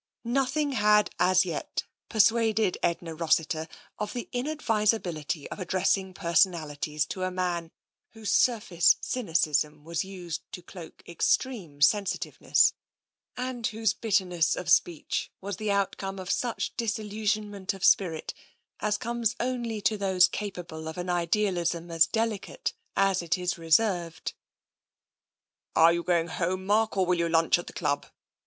Nothing had as yet persuaded Edna Rossiter of the inadvisability of addressing personalities to a man whose surface cynicism was used to cloak extreme sensitiveness, and whose bitterness of speech was the outcome of such disillusionment of spirit as comes only to those capable of an idealism as delicate as it is reserved. " Are you going home, Mark, or will you lunch at the dub?"